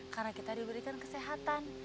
karena kita diberikan kesehatan